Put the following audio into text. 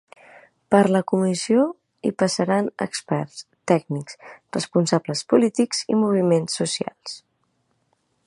Per la comissió hi passaran experts, tècnics, responsables polítics i moviments socials.